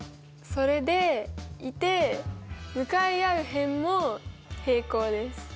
それでいて向かい合う辺も平行です。